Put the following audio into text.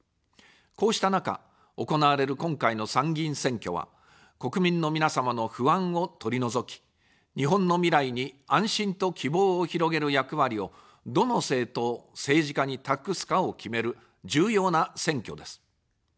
こうした中、行われる今回の参議院選挙は、国民の皆様の不安を取り除き、日本の未来に安心と希望を広げる役割を、どの政党、政治家に託すかを決める重要な選挙です。